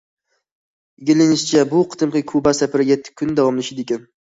ئىگىلىنىشىچە، بۇ قېتىمقى كۇبا سەپىرى يەتتە كۈن داۋاملىشىدىكەن.